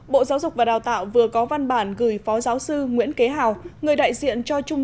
bộ giáo dục và đào tạo vừa có văn bản gửi phó giáo sư nguyễn kế hào người đại diện cho trung